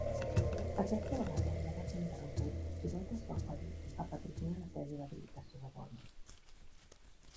Aquesta vegada no va ser interromput i Voigt es va oferir a patrocinar la tesi d'habilitació de Born.